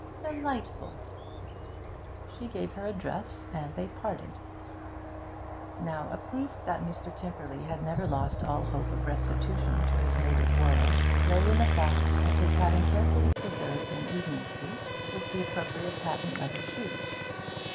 'Delightful!' She gave her address, and they parted. Now, a proof that Mr. Tymperley had never lost all hope of restitution to his native world lay in the fact of his having carefully preserved an evening suit, with the appropriate patent leather shoes.